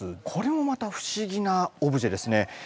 これもまた不思議なオブジェですね。